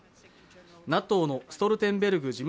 ＮＡＴＯのストルテンベルグ